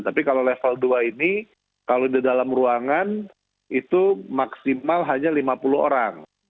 tapi kalau level dua ini kalau di dalam ruangan itu maksimal hanya lima puluh orang